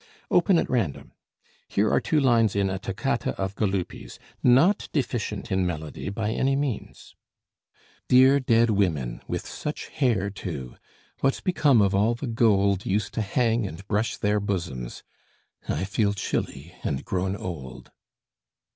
Open at random: here are two lines in 'A Toccata of Galuppi's,' not deficient in melody by any means: "Dear dead women with such hair, too: what's become of all the gold Used to hang and brush their bosoms? I feel chilly and grown old."